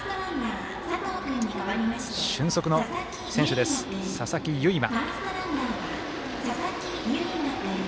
俊足の選手です、佐々木唯天。